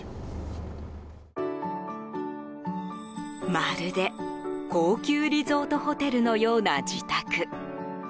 まるで高級リゾートホテルのような自宅。